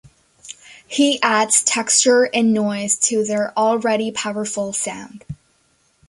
He adds texture and noise to their already powerful sound.